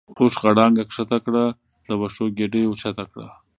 اوښ غړانګه کښته کړه د وښو ګیډۍ یې اوچته کړه.